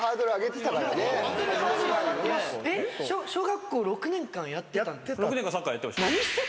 小学校６年間やってたんですか？